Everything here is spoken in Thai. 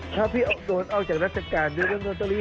ถ้าพี่ดูโดนออกจากนัฐการณ์เพื่อด้วยโรตเตอรี่